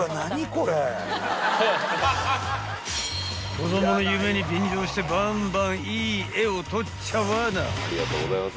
［子供の夢に便乗してバンバンいい絵を撮っちゃわな］